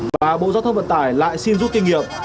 và bộ giáo tâm vận tải lại xin rút kinh nghiệm